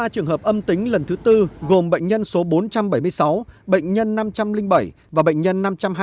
ba trường hợp âm tính lần thứ tư gồm bệnh nhân số bốn trăm bảy mươi sáu bệnh nhân năm trăm linh bảy và bệnh nhân năm trăm hai mươi bốn